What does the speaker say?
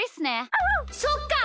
そっか。